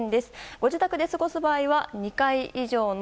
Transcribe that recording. ご自宅で過ごす場合は２階以上の